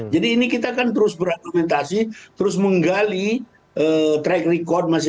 jadi komunikasi komunikasi itu untuk mencapai titik kompromi